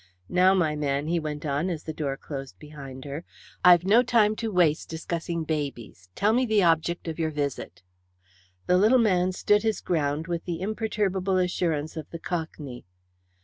Now my man," he went on, as the door closed behind her, "I've no time to waste discussing babies. Tell me the object of your visit." The little man stood his ground with the imperturbable assurance of the Cockney.